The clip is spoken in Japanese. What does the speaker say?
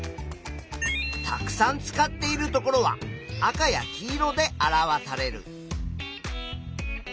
たくさん使っているところは赤や黄色で表される。